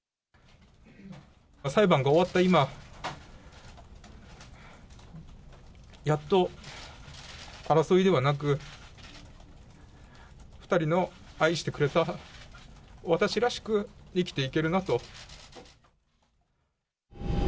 裁判が終わった今、やっと争いではなく、２人の愛してくれた私らしく生きていけるなと。